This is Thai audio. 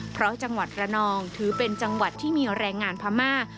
เพราะจังหวัดระนองถือเป็นจังหวัดที่มีแรงงานพม่า